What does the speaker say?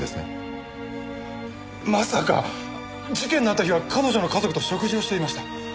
まさか！事件のあった日は彼女の家族と食事をしていました。